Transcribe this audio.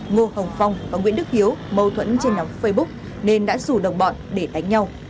ngô hồng phong và nguyễn đức hiếu mâu thuẫn trên nóng facebook nên đã rủ đồng bọn để đánh nhau